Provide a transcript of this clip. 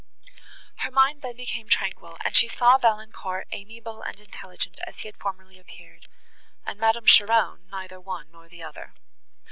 Her mind then became tranquil, and she saw Valancourt amiable and intelligent, as he had formerly appeared, and Madame Cheron neither the one, nor the other.